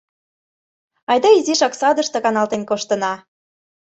Айда изишак садыште каналтен коштына.